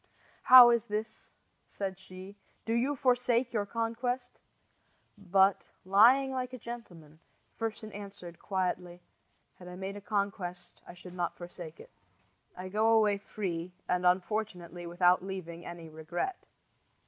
"How is this?" said she. "Do you forsake your conquest?" But, "lying like a gentleman," Fersen answered, quietly: "Had I made a conquest I should not forsake it. I go away free, and, unfortunately, without leaving any regret."